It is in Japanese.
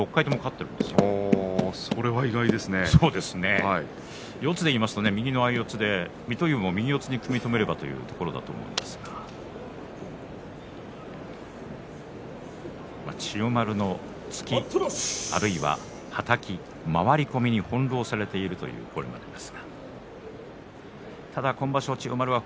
いずれも右四つで組み止めるというところだと思うんですが水戸龍も右四つで組み止めるというところだと思うんですが千代丸の突き、あるいははたき、回り込みに翻弄されているというこれまでです。